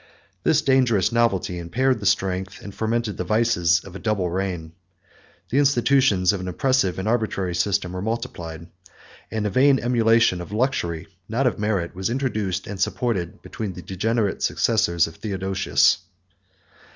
This dangerous novelty impaired the strength, and fomented the vices, of a double reign: the instruments of an oppressive and arbitrary system were multiplied; and a vain emulation of luxury, not of merit, was introduced and supported between the degenerate successors of Theodosius.